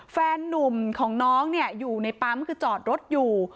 แฟนนุ่มของน้องอยู่ในปั๊มคือจอดรถอยู่